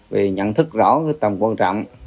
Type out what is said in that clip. vì nhận thức rõ tầm quan trọng